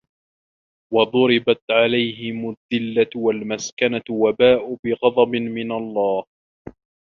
وَضُرِبَتْ عَلَيْهِمُ الذِّلَّةُ وَالْمَسْكَنَةُ وَبَاءُوا بِغَضَبٍ مِنَ اللَّهِ ۗ